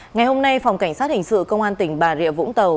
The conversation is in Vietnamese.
ngày hôm nay phòng cảnh sát hình sự công an tỉnh bà rịa vũng tàu